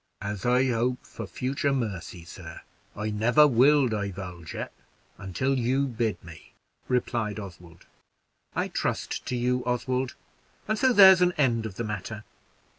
"As I hope for future mercy, sir, I never will divulge it until you bid me," replied Oswald. "I trust to you, Oswald, and so there's an end of the matter.